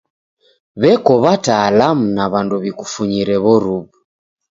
W'eko watalamu na w'andu w'ikufunyire w'oruw'u.